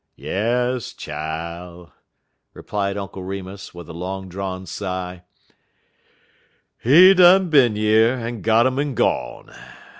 "Yas, chile," replied Uncle Remus, with a long drawn sigh, "he done bin yer en got um en gone.